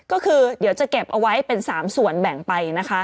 ก็คือเดี๋ยวจะเก็บเอาไว้เป็น๓ส่วนแบ่งไปนะคะ